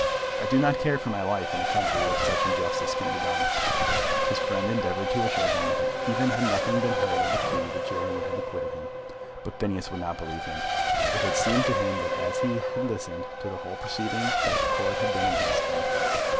I do not care for my life in a country where such injustice can be done." His friend endeavoured to assure him that even had nothing been heard of the key the jury would have acquitted him. But Phineas would not believe him. It had seemed to him as he had listened to the whole proceeding that the Court had been against him.